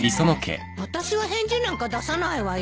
あたしは返事なんか出さないわよ。